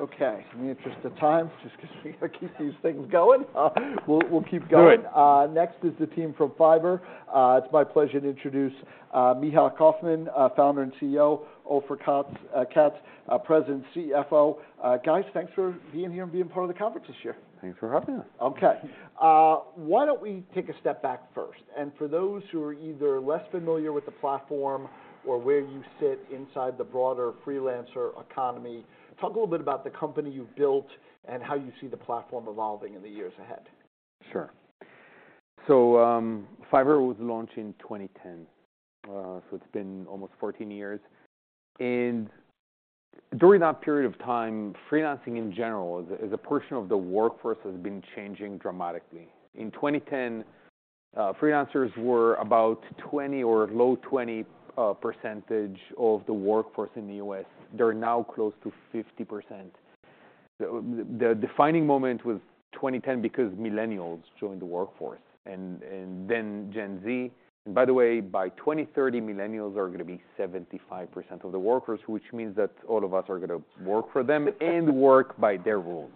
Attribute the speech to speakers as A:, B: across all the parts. A: Okay. In the interest of time, just 'cause we gotta keep these things going, we'll keep going.
B: Good.
A: Next is the team from Fiverr. It's my pleasure to introduce Micha Kaufman, Founder and CEO, Ofer Katz, President and CFO. Guys, thanks for being here and being part of the conference this year.
B: Thanks for having us.
A: Okay. Why don't we take a step back first? And for those who are either less familiar with the platform or where you sit inside the broader freelancer economy, talk a little bit about the company you've built and how you see the platform evolving in the years ahead.
B: Sure. So, Fiverr was launched in 2010, so it's been almost 14 years. And during that period of time, freelancing, in general, as a portion of the workforce, has been changing dramatically. In 2010, freelancers were about 20 or low 20 percentage of the workforce in the U.S. They're now close to 50%. The defining moment was 2010 because Millennials joined the workforce and then Gen Z. By the way, by 2030, Millennials are gonna be 75% of the workers, which means that all of us are gonna work for them - and work by their rules.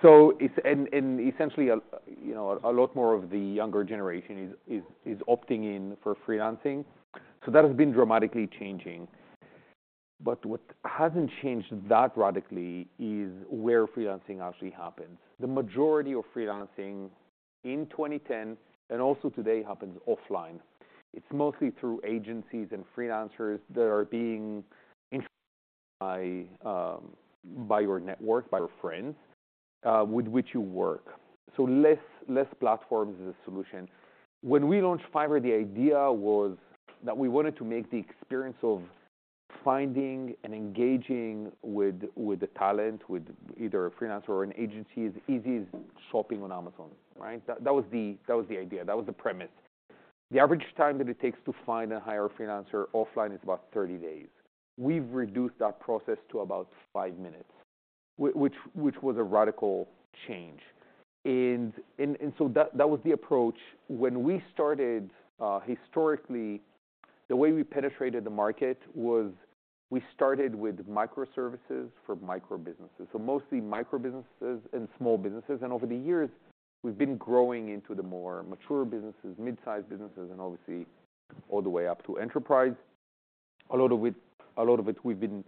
B: So it's... And essentially, you know, a lot more of the younger generation is opting in for freelancing, so that has been dramatically changing. But what hasn't changed that radically is where freelancing actually happens. The majority of freelancing in 2010, and also today, happens offline. It's mostly through agencies and freelancers that are being influenced by your network, by your friends with which you work, so less platforms as a solution. When we launched Fiverr, the idea was that we wanted to make the experience of finding and engaging with the talent, with either a freelancer or an agency, as easy as shopping on Amazon, right? That was the idea. That was the premise. The average time that it takes to find and hire a freelancer offline is about 30 days. We've reduced that process to about five minutes, which was a radical change. And so that was the approach. When we started, historically, the way we penetrated the market was, we started with microservices for micro businesses, so mostly micro businesses and small businesses. And over the years, we've been growing into the more mature businesses, mid-sized businesses, and obviously all the way up to enterprise. A lot of which- a lot of it we've been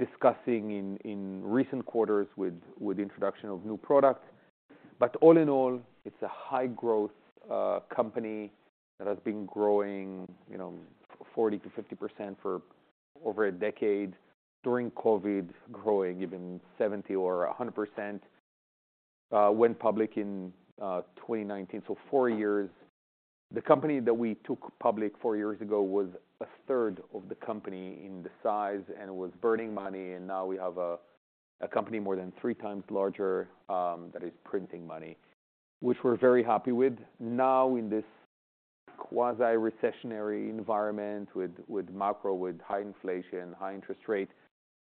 B: discussing in, in recent quarters with, with the introduction of new products. But all in all, it's a high-growth, company that has been growing, you know, 40%-50% for over a decade. During COVID, growing even 70% or 100%, went public in, 2019, so four years. The company that we took public four years ago was a third of the company in the size and was burning money, and now we have a company more than three times larger, that is printing money, which we're very happy with. Now, in this quasi-recessionary environment, with macro, with high inflation, high interest rates,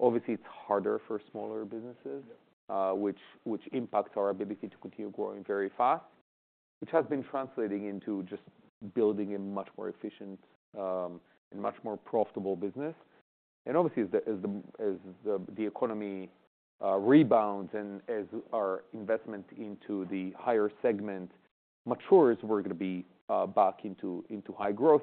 B: obviously it's harder for smaller businesses-
A: Yeah.
B: Which impacts our ability to continue growing very fast, which has been translating into just building a much more efficient and much more profitable business. And obviously, as the economy rebounds and as our investment into the higher segment matures, we're gonna be back into high growth,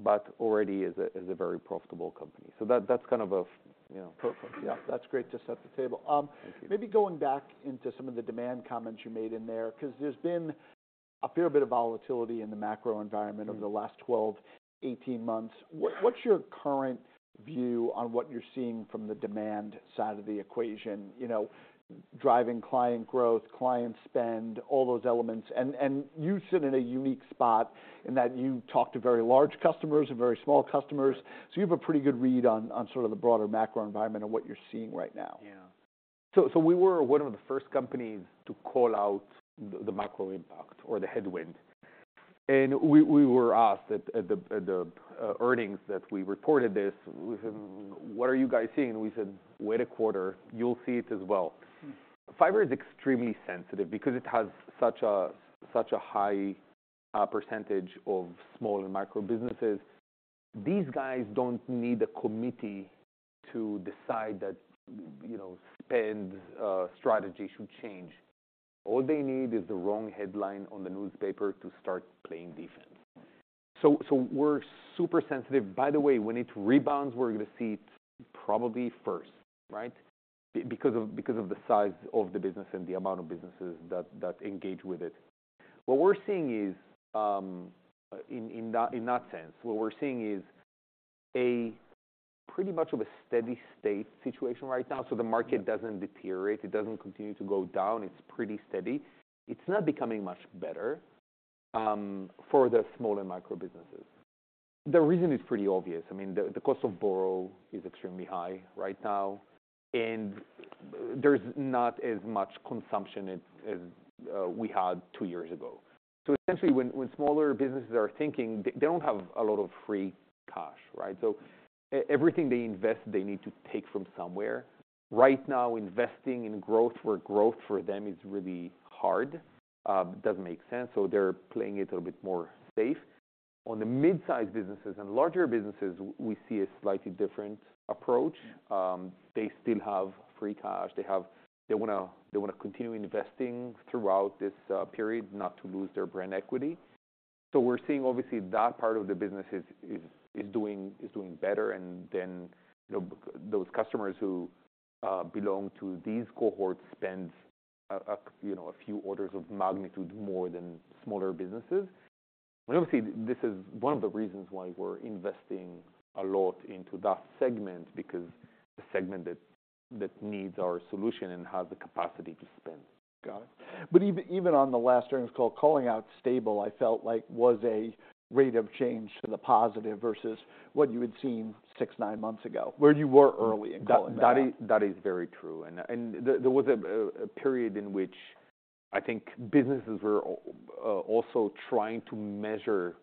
B: but already is a very profitable company. So that, that's kind of a, you know.
A: Perfect. Yeah, that's great to set the table.
B: Thank you.
A: Maybe going back into some of the demand comments you made in there, 'cause there's been a fair bit of volatility in the macro environment-
B: Mm.
A: Over the last 12 months-18 months. What, what's your current view on what you're seeing from the demand side of the equation? You know, driving client growth, client spend, all those elements. And, and you sit in a unique spot in that you talk to very large customers and very small customers.
B: Right.
A: So you have a pretty good read on, on sort of the broader macro environment and what you're seeing right now.
B: Yeah. So we were one of the first companies to call out the macro impact or the headwind, and we were asked at the earnings that we reported this, "What are you guys seeing?" We said, "Wait a quarter, you'll see it as well."
A: Mm.
B: Fiverr is extremely sensitive because it has such a, such a high percentage of small and micro businesses. These guys don't need a committee to decide that, you know, spend strategy should change. All they need is the wrong headline on the newspaper to start playing defense. So, so we're super sensitive. By the way, when it rebounds, we're gonna see it probably first, right? Because of, because of the size of the business and the amount of businesses that, that engage with it. What we're seeing is, in, in that, in that sense, what we're seeing is a pretty much of a steady state situation right now.
A: Yeah.
B: So the market doesn't deteriorate, it doesn't continue to go down. It's pretty steady. It's not becoming much better for the small and micro businesses. The reason is pretty obvious. I mean, the cost of borrow is extremely high right now, and there's not as much consumption as we had two years ago. So essentially, when smaller businesses are thinking, they don't have a lot of free cash, right? So everything they invest, they need to take from somewhere. Right now, investing in growth for growth for them is really hard. It doesn't make sense, so they're playing it a little bit more safe. On the mid-sized businesses and larger businesses, we see a slightly different approach. They still have free cash. They wanna continue investing throughout this period, not to lose their brand equity. So we're seeing obviously that part of the business is doing better, and then, you know, those customers who belong to these cohorts spend a, you know, a few orders of magnitude more than smaller businesses. And obviously, this is one of the reasons why we're investing a lot into that segment, because the segment that needs our solution and has the capacity to spend.
A: Got it. But even on the last earnings call, calling out stable, I felt like was a rate of change to the positive versus what you had seen six, nine months ago, where you were early in calling that out.
B: That is, that is very true. And there was a period in which I think businesses were also trying to measure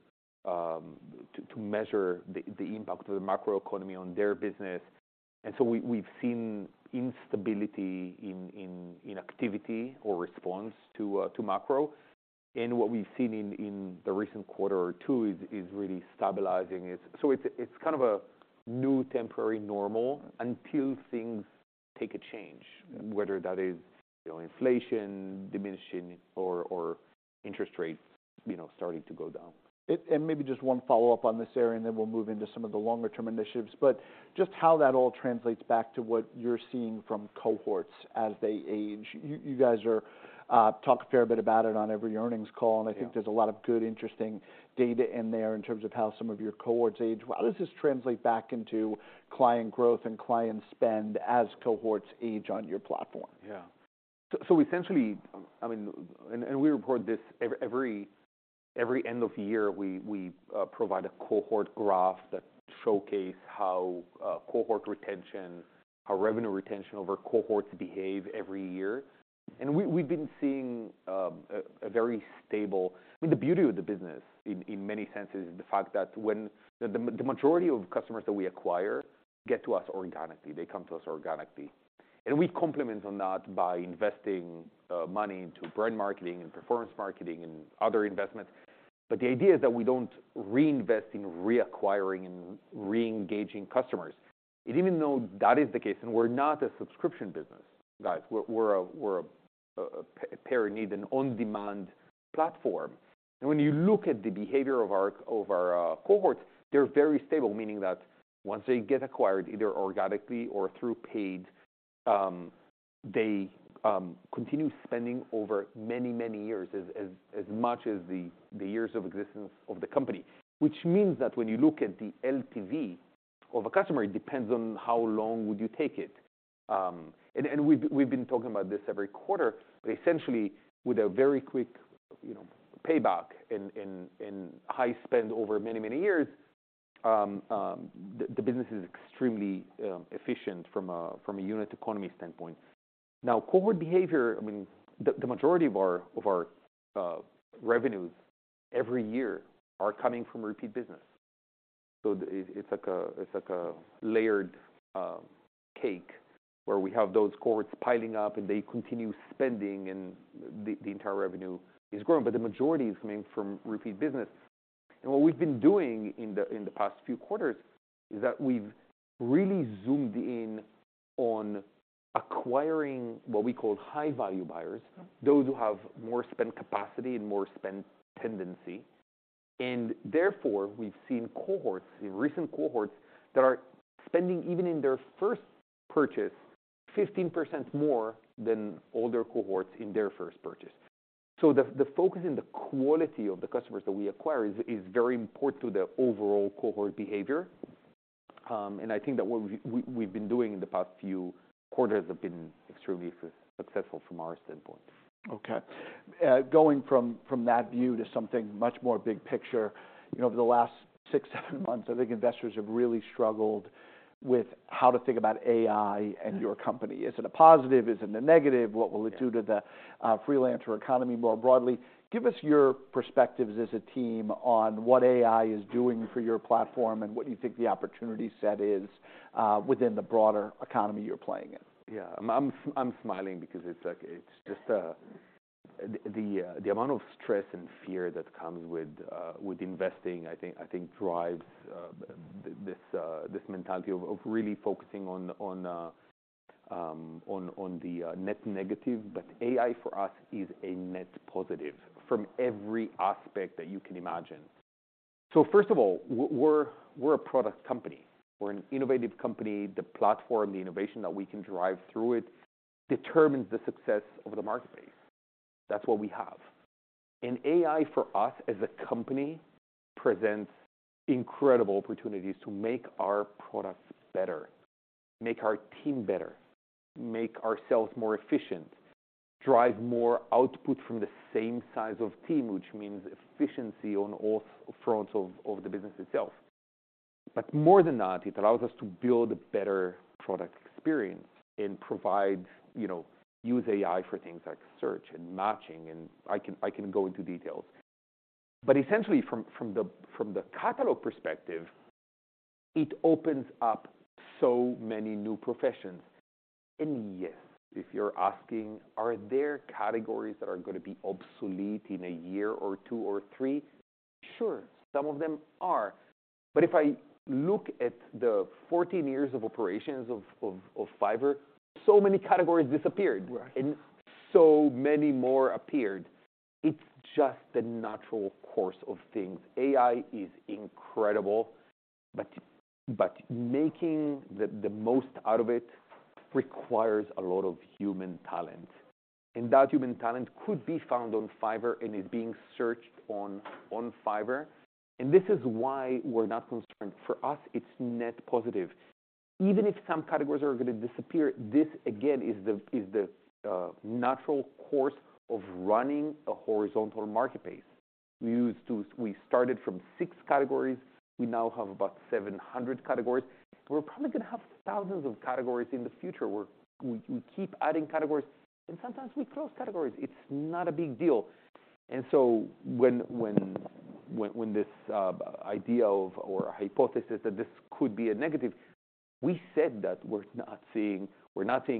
B: the impact of the macroeconomy on their business. And so we've seen instability in activity or response to macro. And what we've seen in the recent quarter or two is really stabilizing it. So it's kind of a new temporary normal until things take a change, whether that is, you know, inflation diminishing or interest rates, you know, starting to go down.
A: And maybe just one follow-up on this area, and then we'll move into some of the longer term initiatives. But just how that all translates back to what you're seeing from cohorts as they age? You guys are talking a fair bit about it on every earnings call, and.
B: Yeah.
A: I think there's a lot of good, interesting data in there in terms of how some of your cohort's age. How does this translate back into client growth and client spend as cohorts age on your platform?
B: Yeah. So, essentially, I mean, we report this every end of year, we provide a cohort graph that showcase how cohort retention, how revenue retention over cohorts behave every year. And we've been seeing a very stable. I mean, the beauty of the business, in many senses, is the fact that when the majority of customers that we acquire get to us organically, they come to us organically. And we complement on that by investing money into brand marketing and performance marketing and other investments. But the idea is that we don't reinvest in reacquiring and re-engaging customers. And even though that is the case, and we're not a subscription business, guys, we're a per need, an on-demand platform. When you look at the behavior of our cohorts, they're very stable, meaning that once they get acquired, either organically or through paid, they continue spending over many, many years as much as the years of existence of the company. Which means that when you look at the LTV of a customer, it depends on how long would you take it. And we've been talking about this every quarter, but essentially, with a very quick, you know, payback and high spend over many, many years, the business is extremely efficient from a unit economy standpoint. Now, cohort behavior, I mean, the majority of our revenues every year are coming from repeat business. So it's like a layered cake, where we have those cohorts piling up, and they continue spending, and the entire revenue is growing, but the majority is coming from repeat business. And what we've been doing in the past few quarters is that we've really zoomed in on acquiring what we call high-value buyers.
A: Okay.
B: Those who have more spend capacity and more spend tendency. And therefore, we've seen cohorts, in recent cohorts, that are spending, even in their first purchase, 15% more than older cohorts in their first purchase. So the focus and the quality of the customers that we acquire is very important to the overall cohort behavior. And I think that what we've been doing in the past few quarters have been extremely successful from our standpoint.
A: Okay. Going from that view to something much more big picture, you know, over the last six, seven months, I think investors have really struggled with how to think about AI and your company.
B: Yeah.
A: Is it a positive? Is it a negative?
B: Yeah.
A: What will it do to the, freelancer economy more broadly? Give us your perspectives as a team on what AI is doing for your platform, and what do you think the opportunity set is, within the broader economy you're playing in?
B: Yeah. I'm smiling because it's like, it's just, the amount of stress and fear that comes with investing, I think drives this mentality of really focusing on the net negative. But AI, for us, is a net positive from every aspect that you can imagine. So first of all, we're a product company. We're an innovative company. The platform, the innovation that we can drive through it, determines the success of the marketplace. That's what we have. And AI, for us, as a company, presents incredible opportunities to make our products better, make our team better, make ourselves more efficient, drive more output from the same size of team, which means efficiency on all fronts of the business itself. But more than that, it allows us to build a better product experience and provide, you know, use AI for things like search and matching, and I can go into details. But essentially, from the catalog perspective. It opens up so many new professions. And yes, if you're asking, are there categories that are gonna be obsolete in a year or two or three? Sure, some of them are. But if I look at the 14 years of operations of Fiverr, so many categories disappeared.
A: Right.
B: And so many more appeared. It's just the natural course of things. AI is incredible, but making the most out of it requires a lot of human talent, and that human talent could be found on Fiverr, and is being searched on Fiverr, and this is why we're not concerned. For us, it's net positive. Even if some categories are gonna disappear, this again is the natural course of running a horizontal marketplace. We started from six categories, we now have about 700 categories. We're probably gonna have thousands of categories in the future, where we keep adding categories, and sometimes we close categories. It's not a big deal. And so when this idea of, or hypothesis that this could be a negative, we said that we're not seeing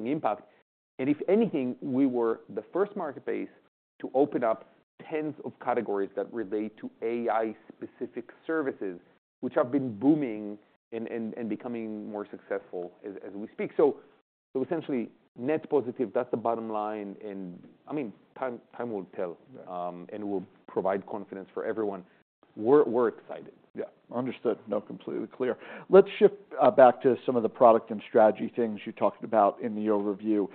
B: impact, and if anything, we were the first marketplace to open up tens of categories that relate to AI-specific services, which have been booming and becoming more successful as we speak. So essentially, net positive, that's the bottom line, and I mean, time will tell.
A: Yeah.
B: And will provide confidence for everyone. We're, we're excited.
A: Yeah. Understood. No, completely clear. Let's shift back to some of the product and strategy things you talked about in the overview.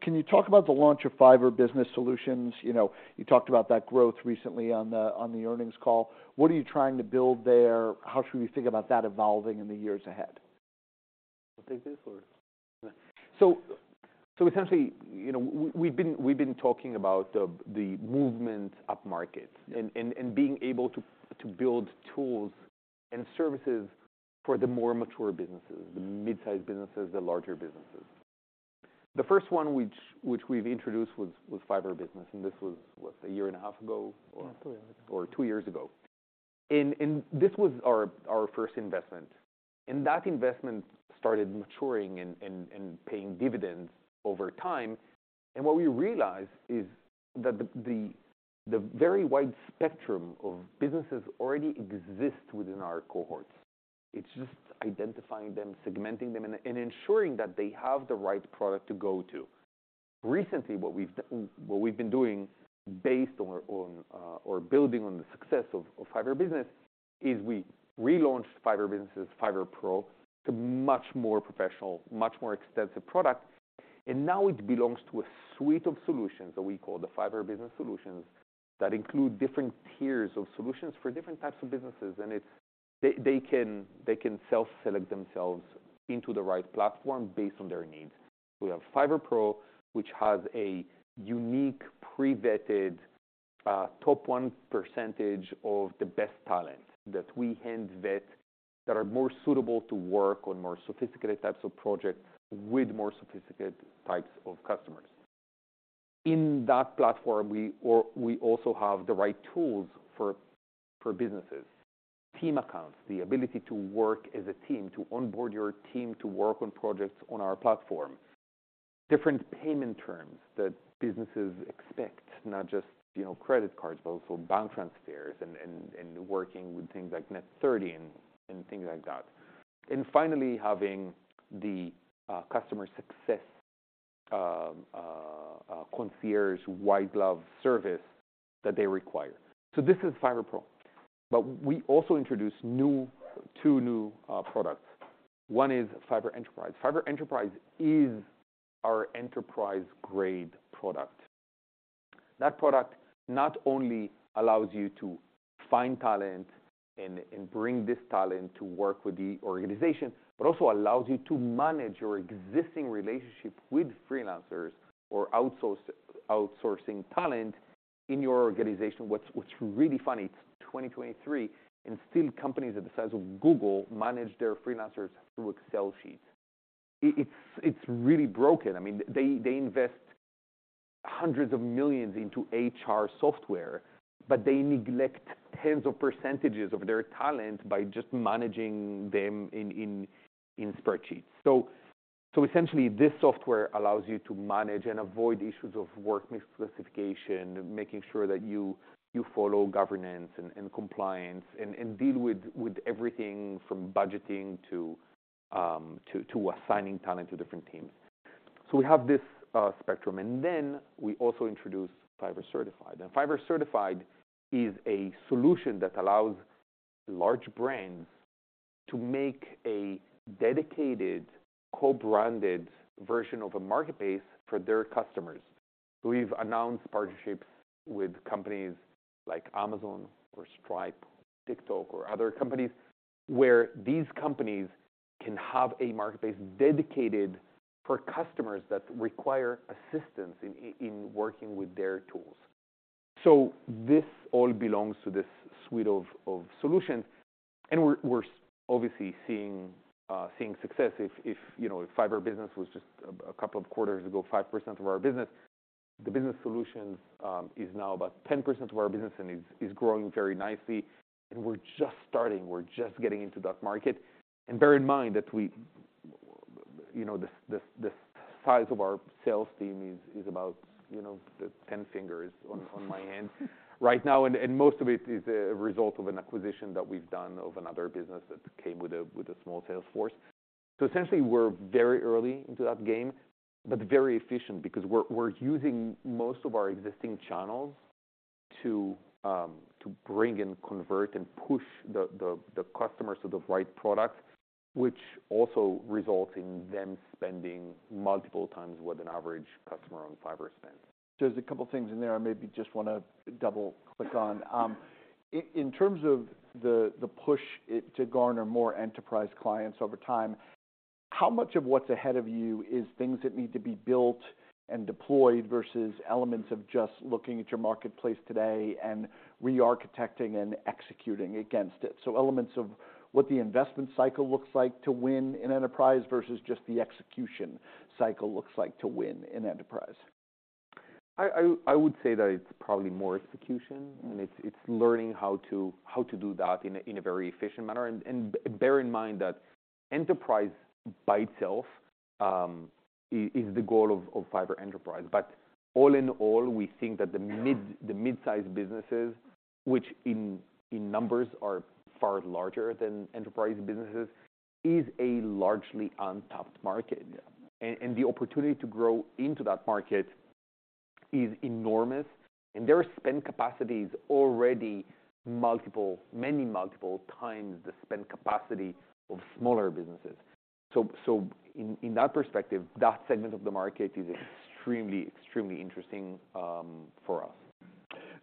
A: Can you talk about the launch of Fiverr Business Solutions? You know, you talked about that growth recently on the earnings call. What are you trying to build there? How should we think about that evolving in the years ahead?
B: I'll take this or? So, essentially, you know, we've been talking about the movement upmarket.
A: Yeah.
B: And being able to build tools and services for the more mature businesses, the mid-sized businesses, the larger businesses. The first one which we've introduced was Fiverr Business, and this was, what? A year and a half ago or?
A: Yeah, two years ago.
B: Or two years ago. And this was our first investment, and that investment started maturing and paying dividends over time. And what we realized is that the very wide spectrum of businesses already exist within our cohorts. It's just identifying them, segmenting them, and ensuring that they have the right product to go to. Recently, what we've been doing based on, or building on the success of Fiverr Business, is we relaunched Fiverr Business, Fiverr Pro, a much more professional, much more extensive product. And now it belongs to a suite of solutions that we call the Fiverr Business Solutions, that include different tiers of solutions for different types of businesses. And they can self-select themselves into the right platform based on their needs. We have Fiverr Pro, which has a unique, pre-vetted, top one percentage of the best talent that we hand-vetted, that are more suitable to work on more sophisticated types of projects with more sophisticated types of customers. In that platform, we also have the right tools for businesses. Team accounts, the ability to work as a team, to onboard your team, to work on projects on our platform. Different payment terms that businesses expect, not just, you know, credit cards, but also bank transfers and working with things like Net 30 and things like that. And finally, having the customer success concierge white glove service that they require. So this is Fiverr Pro, but we also introduced two new products. One is Fiverr Enterprise. Fiverr Enterprise is our enterprise-grade product. That product not only allows you to find talent and bring this talent to work with the organization, but also allows you to manage your existing relationship with freelancers or outsourcing talent in your organization. What's really funny, it's 2023, and still, companies of the size of Google manage their freelancers through Excel sheets. It's really broken. I mean, they invest hundreds of millions into HR software, but they neglect tens of percentage of their talent by just managing them in spreadsheets. So essentially, this software allows you to manage and avoid issues of work misclassification, making sure that you follow governance and compliance, and deal with everything from budgeting to assigning talent to different teams. So we have this spectrum, and then we also introduced Fiverr Certified. And Fiverr Certified is a solution that allows large brands to make a dedicated co-branded version of a marketplace for their customers. We've announced partnerships with companies like Amazon or Stripe, TikTok or other companies, where these companies can have a marketplace dedicated for customers that require assistance in working with their tools. So this all belongs to this suite of solutions, and we're obviously seeing success. If you know, Fiverr Business was just a couple of quarters ago, 5% of our business. The business solutions is now about 10% of our business and is growing very nicely, and we're just starting. We're just getting into that market. Bear in mind that you know, the size of our sales team is about, you know, the 10 fingers on my hand right now, and most of it is a result of an acquisition that we've done of another business that came with a small sales force. So essentially, we're very early into that game, but very efficient because we're using most of our existing channels to bring and convert and push the customers to the right product, which also results in them spending multiple times what an average customer on Fiverr spends.
A: There's a couple of things in there I maybe just wanna double-click on. In terms of the push to garner more enterprise clients over time, how much of what's ahead of you is things that need to be built and deployed, versus elements of just looking at your marketplace today and re-architecting and executing against it? So elements of what the investment cycle looks like to win in enterprise, versus just the execution cycle looks like to win in enterprise.
B: I would say that it's probably more execution, and it's learning how to do that in a very efficient manner. And bear in mind that enterprise by itself is the goal of Fiverr Enterprise. But all in all, we think that the mid-
A: Yeah,
B: The mid-sized businesses, which in numbers are far larger than enterprise businesses, is a largely untapped market.
A: Yeah.
B: The opportunity to grow into that market is enormous, and their spend capacity is already many multiple times the spend capacity of smaller businesses. In that perspective, that segment of the market is extremely interesting for us.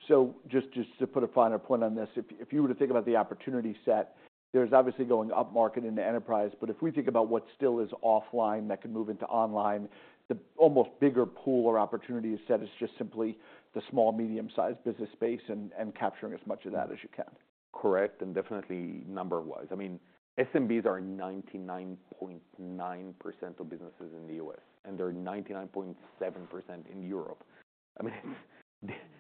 A: So just to put a finer point on this, if you were to think about the opportunity set, there's obviously going upmarket in the enterprise. But if we think about what still is offline that can move into online, the almost bigger pool or opportunity set is just simply the small, medium-sized business space and capturing as much of that as you can.
B: Correct, and definitely number-wise. I mean, SMBs are 99.9% of businesses in the U.S., and they're 99.7% in Europe. I mean,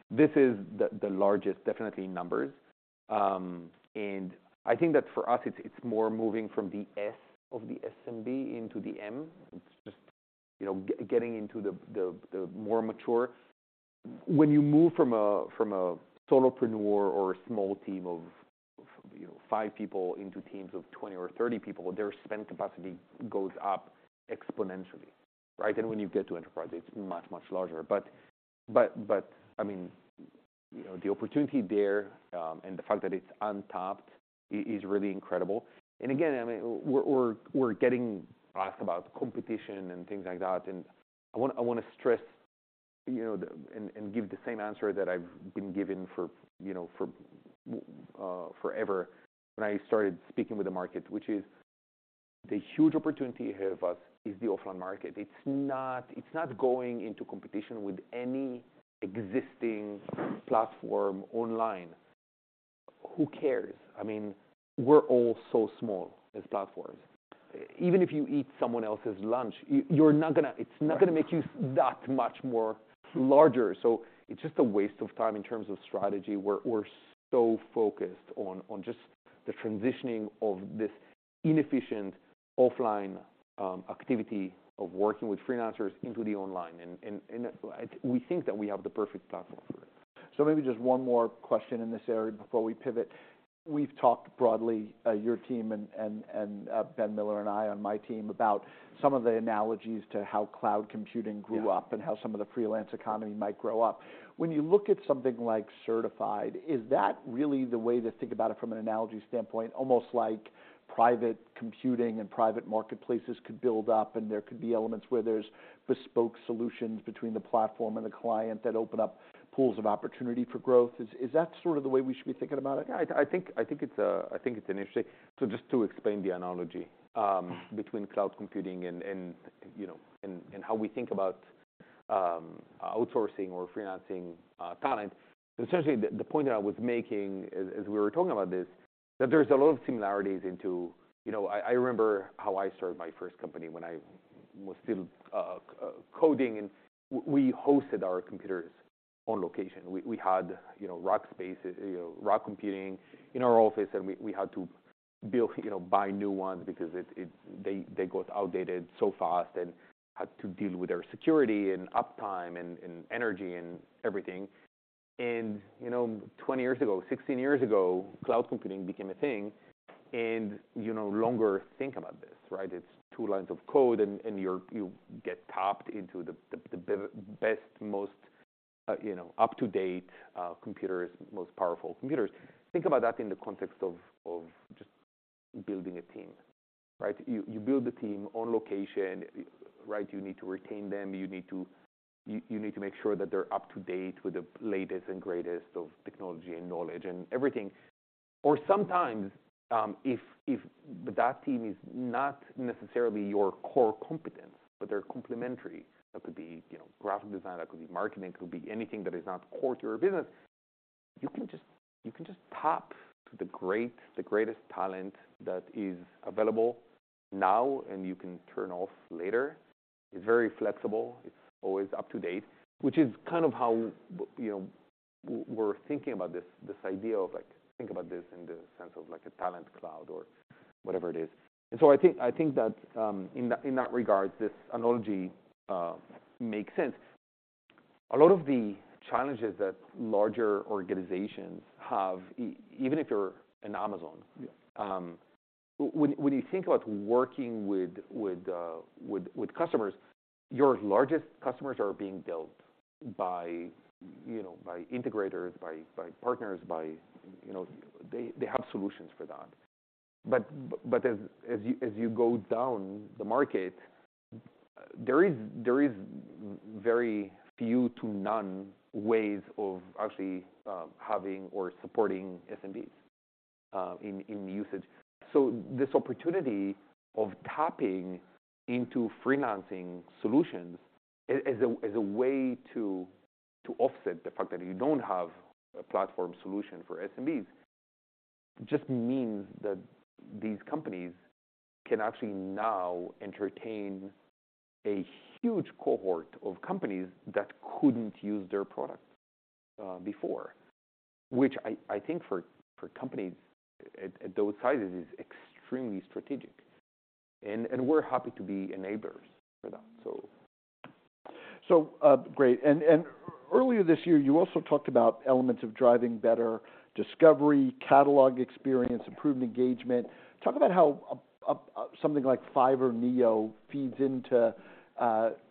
B: this is the largest, definitely in numbers. And I think that for us, it's more moving from the S of the SMB into the M. It's just, you know, getting into the more mature. When you move from a solopreneur or a small team of, you know, five people into teams of 20 or 30 people, their spend capacity goes up exponentially, right? And when you get to enterprise, it's much, much larger. But I mean, you know, the opportunity there, and the fact that it's untapped is really incredible. And again, I mean, we're getting asked about competition and things like that, and I wanna stress, you know, and give the same answer that I've been giving for, you know, forever, when I started speaking with the market, which is the huge opportunity ahead of us is the offline market. It's not going into competition with any existing platform online. Who cares? I mean, we're all so small as platforms. Even if you eat someone else's lunch, you're not gonna, it's not gonna make you that much more larger. So it's just a waste of time in terms of strategy, we're so focused on just the transitioning of this inefficient offline activity of working with freelancers into the online. And we think that we have the perfect platform for it.
A: So maybe just one more question in this area before we pivot. We've talked broadly, your team and Ben Miller and I on my team, about some of the analogies to how cloud computing grew up.
B: Yeah.
A: And how some of the freelance economy might grow up. When you look at something like Certified, is that really the way to think about it from an analogy standpoint, almost like private computing and private marketplaces could build up, and there could be elements where there's bespoke solutions between the platform and the client that open up pools of opportunity for growth? Is, is that sort of the way we should be thinking about it?
B: Yeah, I think it's interesting. So just to explain the analogy between cloud computing and, you know, how we think about outsourcing or freelancing talent. Essentially, the point that I was making as we were talking about this, that there's a lot of similarities into... You know, I remember how I started my first company when I was still coding, and we hosted our computers on location. We had, you know, rack spaces, you know, rack computing in our office, and we had to buy new ones because they got outdated so fast, and had to deal with their security, and uptime, and energy and everything. And, you know, 20 years ago, 16 years ago, cloud computing became a thing, and you no longer think about this, right? It's two lines of code, and you get tapped into the best, most, you know, up-to-date computers, most powerful computers. Think about that in the context of just building a team, right? You build the team on location, right? You need to retain them. You need to make sure that they're up-to-date with the latest and greatest of technology and knowledge and everything. Or sometimes, if that team is not necessarily your core competence, but they're complementary, that could be, you know, graphic design, that could be marketing, it could be anything that is not core to your business. You can just, you can just tap to the greatest talent that is available now, and you can turn off later. It's very flexible. It's always up to date, which is kind of how, you know, we're thinking about this, this idea of, like, think about this in the sense of, like, a talent cloud or whatever it is. And so I think, I think that, in that, in that regard, this analogy makes sense. A lot of the challenges that larger organizations have, even if you're on Amazon-
A: Yeah.
B: When you think about working with customers, your largest customers are being built by, you know, by integrators, by partners, by... You know, they have solutions for that. But as you go down the market, there is very few to none ways of actually having or supporting SMBs in usage. So this opportunity of tapping into freelancing solutions as a way to offset the fact that you don't have a platform solution for SMBs just means that these companies can actually now entertain a huge cohort of companies that couldn't use their product before, which I think for companies at those sizes is extremely strategic, and we're happy to be enablers for that, so.
A: So, great. Earlier this year, you also talked about elements of driving better discovery, catalog experience, improved engagement. Talk about how something like Fiverr NEO feeds into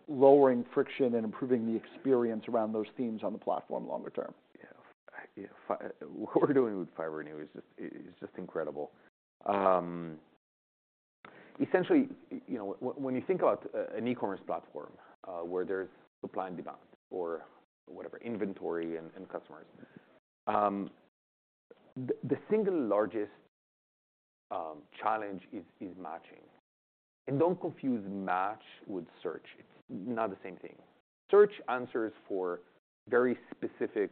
A: lowering friction and improving the experience around those themes on the platform longer term.
B: Yeah. What we're doing with Fiverr NEO is just, is just incredible. Essentially, you know, when, when you think about, an e-commerce platform, where there's supply and demand or whatever, inventory and, and customers, the, the single largest, challenge is, is matching. And don't confuse match with search. It's not the same thing. Search answers for very specific,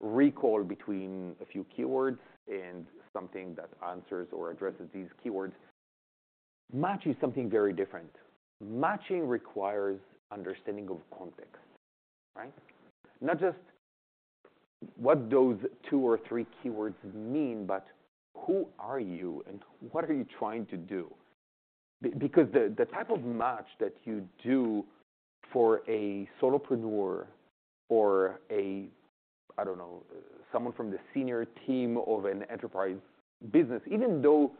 B: recall between a few keywords and something that answers or addresses these keywords. Match is something very different. Matching requires understanding of context, right? Not just what those two or three keywords mean, but who are you and what are you trying to do? Because the type of match that you do for a solopreneur or I don't know, someone from the senior team of an enterprise business, even though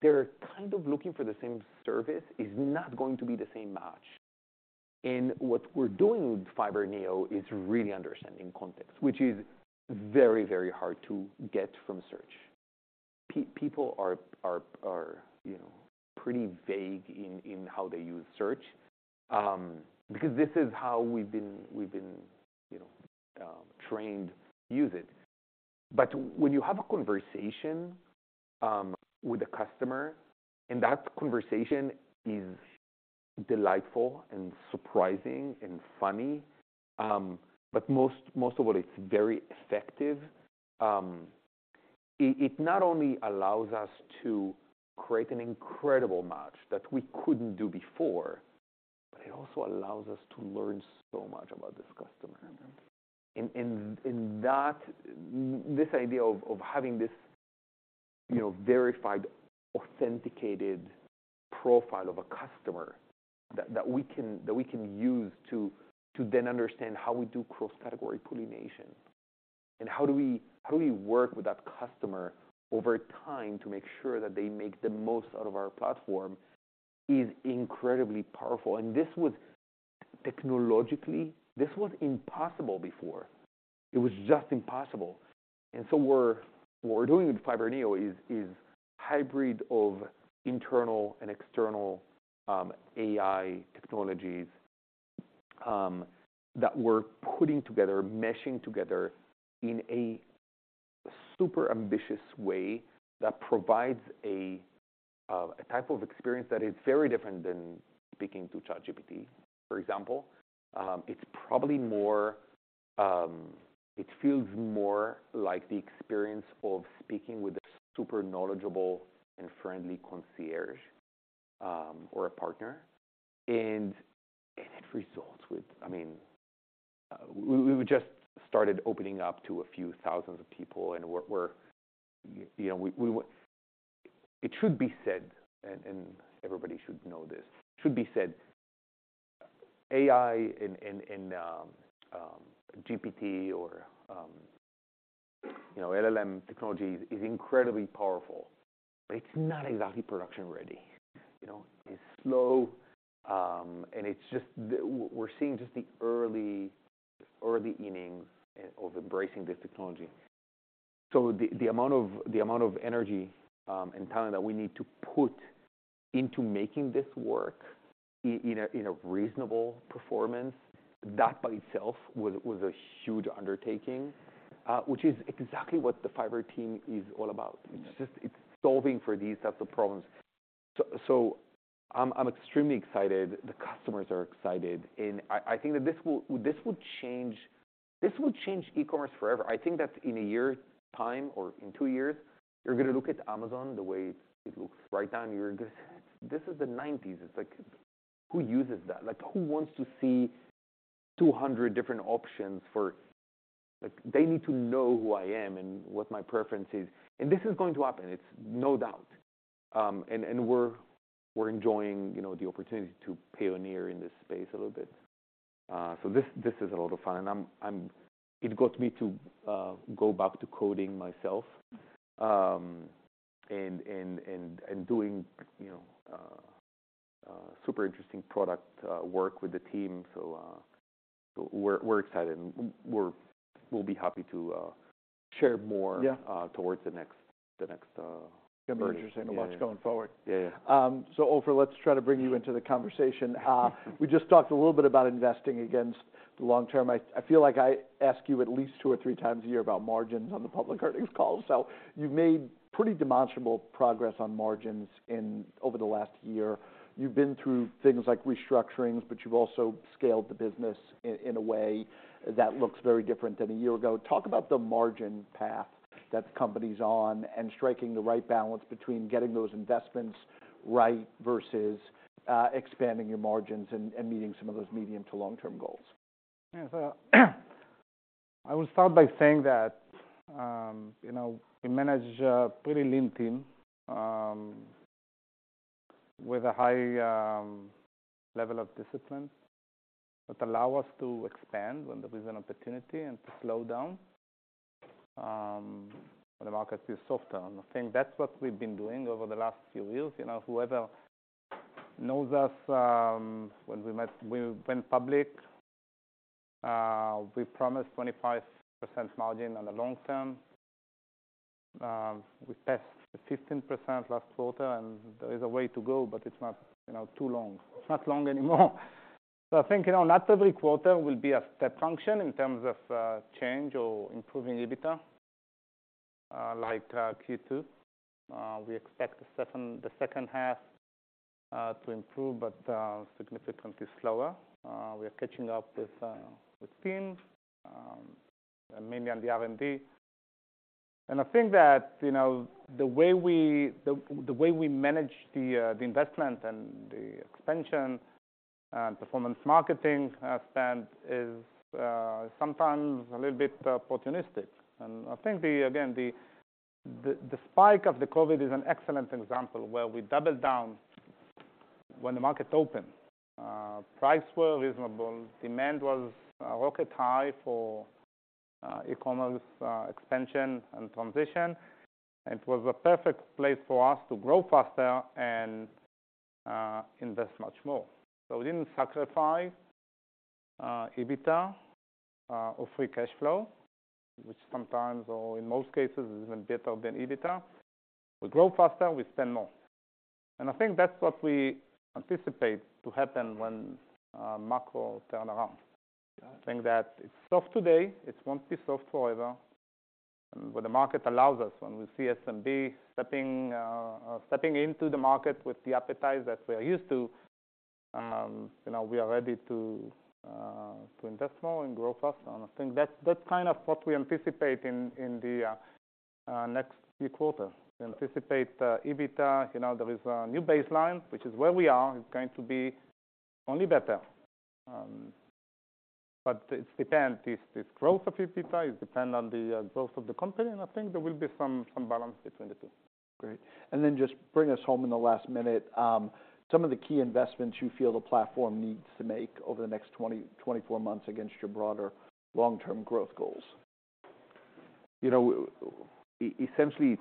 B: they're kind of looking for the same service, is not going to be the same match. And what we're doing with Fiverr NEO is really understanding context, which is very, very hard to get from search. People are, you know, pretty vague in how they use search, because this is how we've been, you know, trained to use it. But when you have a conversation with a customer, and that conversation is delightful, and surprising, and funny, but most of all, it's very effective, it not only allows us to create an incredible match that we couldn't do before, but it also allows us to learn so much about this customer. And that this idea of having this, you know, verified, authenticated profile of a customer that we can use to then understand how we do cross-category pollination, and how we work with that customer over time to make sure that they make the most out of our platform, is incredibly powerful. And this was... Technologically, this was impossible before. It was just impossible. What we're doing with Fiverr NEO is a hybrid of internal and external AI technologies that we're putting together, meshing together in a super ambitious way that provides a type of experience that is very different than speaking to ChatGPT, for example. It's probably more—it feels more like the experience of speaking with a super knowledgeable and friendly concierge or a partner, and it results with, I mean... We just started opening up to a few thousand people, and we're, you know, we were—It should be said, and everybody should know this, it should be said, AI and GPT or, you know, LLM technology is incredibly powerful, but it's not exactly production ready. You know, it's slow, and it's just we're seeing just the early, early innings of embracing this technology. So the, the amount of, the amount of energy, and talent that we need to put into making this work in a, in a reasonable performance, that by itself was, was a huge undertaking, which is exactly what the Fiverr team is all about.
A: Yeah.
B: It's just, it's solving for these types of problems. So, I'm extremely excited. The customers are excited, and I think that this will change e-commerce forever. I think that in a year's time or in two years, you're gonna look at Amazon the way it looks right now, and you're gonna, "This is the 90s. It's like, who uses that? Like, who wants to see 200 different options for..." Like, they need to know who I am and what my preference is, and this is going to happen. It's no doubt. And we're enjoying, you know, the opportunity to pioneer in this space a little bit. So, this is a lot of fun, and I'm—it got me to go back to coding myself, and doing, you know, super interesting product work with the team. So, we're excited, and we're—we'll be happy to share more.
A: Yeah.
B: Towards the next conference.
A: It's gonna be interesting to watch going forward.
B: Yeah. Yeah.
A: So Ofer, let's try to bring you into the conversation. We just talked a little bit about investing against the long term. I feel like I ask you at least two or three times a year about margins on the public earnings call. So you've made pretty demonstrable progress on margins over the last year. You've been through things like restructurings, but you've also scaled the business in a way that looks very different than a year ago. Talk about the margin path that the company's on, and striking the right balance between getting those investments right versus expanding your margins and meeting some of those medium to long-term goals.
C: Yeah. So, I will start by saying that, you know, we manage a pretty lean team, with a high, level of discipline, that allow us to expand when there is an opportunity and to slow down, when the market is softer. And I think that's what we've been doing over the last few years. You know, whoever knows us, when we went public, we promised 25% margin on the long term. We passed the 15% last quarter, and there is a way to go, but it's not, you know, too long. It's not long anymore. So I think, you know, not every quarter will be a step function in terms of, change or improving EBITDA, like, Q2. We expect the second half to improve, but, significantly slower. We are catching up with teams, mainly on the R&D. And I think that, you know, the way we manage the investment and the expansion and performance marketing spend is sometimes a little bit opportunistic. And I think again, the spike of the COVID is an excellent example where we doubled down when the market opened. Prices were reasonable, demand was rocket high for e-commerce expansion and transition. It was a perfect place for us to grow faster and invest much more. So we didn't sacrifice EBITDA or free cash flow, which sometimes or in most cases, is even better than EBITDA. We grow faster, we spend more. And I think that's what we anticipate to happen when macro turn around.
A: Yeah.
C: I think that it's soft today, it won't be soft forever. When the market allows us, when we see SMB stepping into the market with the appetite that we are used to, you know, we are ready to invest more and grow faster. And I think that's, that's kind of what we anticipate in the next few quarters.
A: Yeah.
C: We anticipate EBITDA, you know, there is a new baseline, which is where we are, it's going to be only better. But it depends. It's growth of EBITDA, it depends on the growth of the company, and I think there will be some balance between the two.
A: Great. Then just bring us home in the last minute, some of the key investments you feel the platform needs to make over the next 20 months-24 months against your broader long-term growth goals.
B: You know, essentially,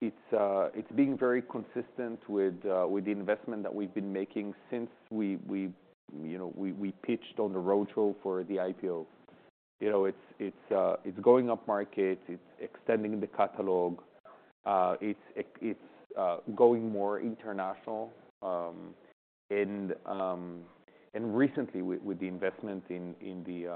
B: it's being very consistent with the investment that we've been making since we, you know, we pitched on the roadshow for the IPO. You know, it's going upmarket, it's extending the catalog, it's going more international. And recently with the investment in the.